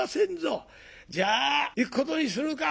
「じゃあ行くことにするか」。